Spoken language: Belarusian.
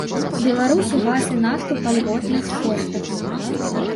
Беларусі газ і нафту па льготных коштах.